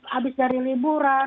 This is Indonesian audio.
habis dari liburan